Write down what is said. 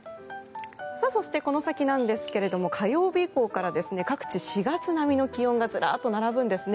そして、この先なんですが火曜日以降から各地、４月並みの気温がずらっと並ぶんですね。